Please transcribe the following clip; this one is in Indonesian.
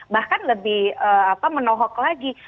bahkan lebih menohok lagi